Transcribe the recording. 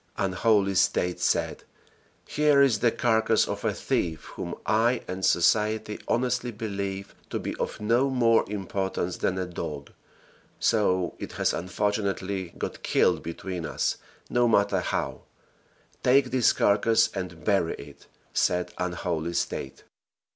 Unholy State said, "Here is the carcass of a thief whom I and society honestly believe to be of no more importance than a dog so it has unfortunately got killed between us, no matter how; take this carcass and bury it," said unholy State.